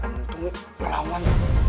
kamu tunggu perlawan